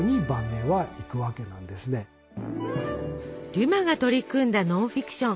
デュマが取り組んだノンフィクション。